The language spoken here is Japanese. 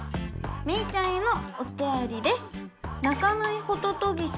メイちゃんへのおたよりです。